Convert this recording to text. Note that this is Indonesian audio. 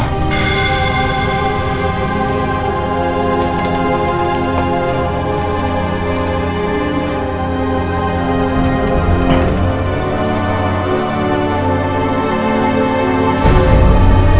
ya udah gak apa apa